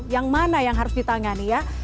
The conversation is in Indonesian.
yang mana yang harus ditangani ya